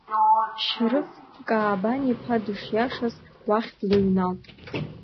Шьрыф Каабан-иԥа дышиашаз, уахь длыҩналт.